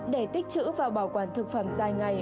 để tích chữ và bảo quản thực phẩm dài ngày